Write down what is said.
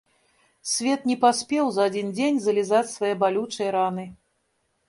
Свет не паспеў за адзін дзень залізаць свае балючыя раны.